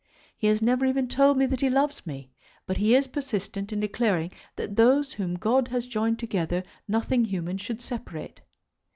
He has never even told me that he loves me; but he is persistent in declaring that those whom God has joined together nothing human should separate.